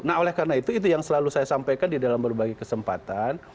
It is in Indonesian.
nah oleh karena itu itu yang selalu saya sampaikan di dalam berbagai kesempatan